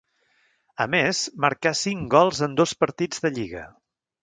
A més, marcà cinc gols en dos partits de lliga.